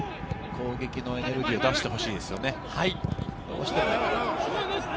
攻撃のエネルギーを出してほしいですよね。